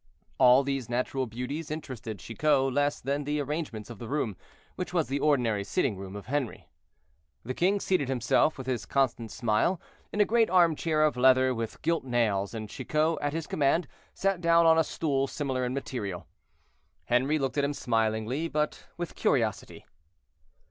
All these natural beauties interested Chicot less than the arrangements of the room, which was the ordinary sitting room of Henri. The king seated himself, with his constant smile, in a great armchair of leather with gilt nails, and Chicot, at his command, sat down on a stool similar in material. Henri looked at him smilingly, but with curiosity.